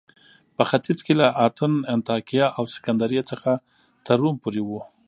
په ختیځ کې له اتن، انطاکیه او سکندریې څخه تر روم پورې و